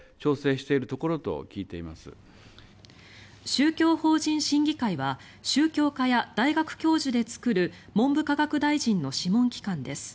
宗教法人審議会は宗教家や大学教授で作る文部科学大臣の諮問機関です。